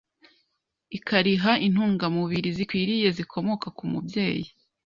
ikariha intungamubiri zikwiriye zikomoka ku mubyeyi